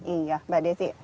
iya mbak desi